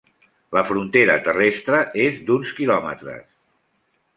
La frontera terrestre és d'uns quilòmetres.